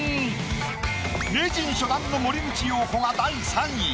名人初段の森口瑤子が第３位。